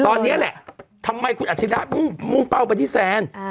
เลยตอนเนี้ยแหละทำไมคุณอัจฉริยะมุ่งมุ่งเป้าไปที่แซนอ่า